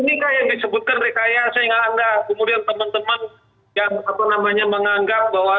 ini yang disebutkan rekayasa yang anda kemudian teman teman yang menganggap bahwa